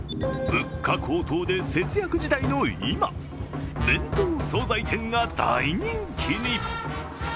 物価高騰で節約時代の今、弁当・総菜店が大人気に。